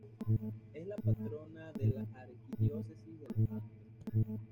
Es la patrona de la arquidiócesis de Los Ángeles.